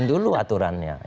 penuhi dulu aturannya